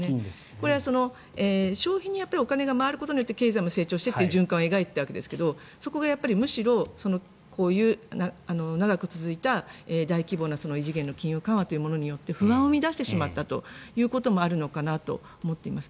これは消費にお金が回ることによって経済も成長してという循環を描いてたわけですがそこがむしろ長く続いた、大規模な異次元の金融緩和によって不安を生み出してしまったこともあるのかなと思っています。